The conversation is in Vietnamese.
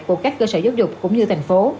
của các cơ sở giáo dục cũng như thành phố